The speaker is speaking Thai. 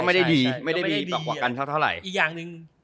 ไม่ได้ดีไม่ได้ดีต่อกว่ากันเท่าเท่าไหร่อีกอย่างหนึ่ง